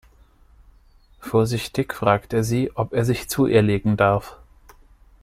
Vorsichtig fragt er sie, ob er sich zu ihr legen darf.